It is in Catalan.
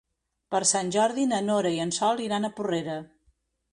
Per Sant Jordi na Nora i en Sol iran a Porrera.